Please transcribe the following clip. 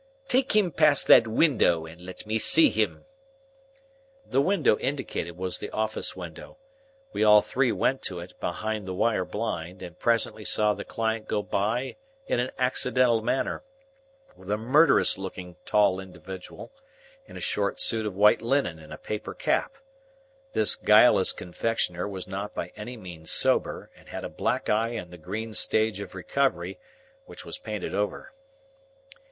"Take him past that window, and let me see him." The window indicated was the office window. We all three went to it, behind the wire blind, and presently saw the client go by in an accidental manner, with a murderous looking tall individual, in a short suit of white linen and a paper cap. This guileless confectioner was not by any means sober, and had a black eye in the green stage of recovery, which was painted over.